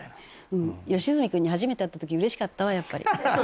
うん良純君に初めて会った時嬉しかったわやっぱり。